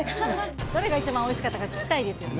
どれが一番おいしかったか聞きたいですね。